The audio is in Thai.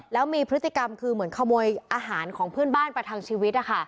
แล้วมีพฤติกรรมคือเหมือนขโมยอาหารของเพื่อนบ้านประทังชีวิต